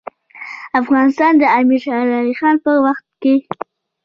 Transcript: افغانستان د امیر شیرعلي خان په وخت کې.